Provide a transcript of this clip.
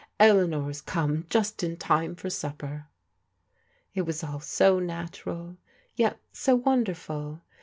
Eleanor's come just in time for supper." It was all so natural, yet so wonderful.